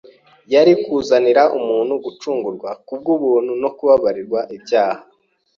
Yari kuzanira umuntu gucungurwa ku bw’ubuntu no kubabarirwa ibyaha.